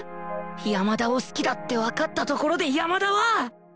山田を好きだってわかったところで山田は